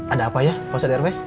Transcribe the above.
ada apa ya ponset rw